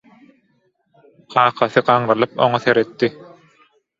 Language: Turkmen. Kakasy gaňrylyp oňa seretdi.